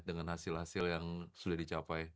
dengan hasil hasil yang sudah dicapai